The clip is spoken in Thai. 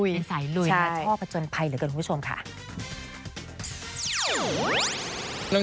เป็นสายลุยชอบประจนภัยเหรอครับคุณผู้ชมคะน้องครับใช่